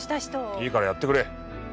いいからやってくれ。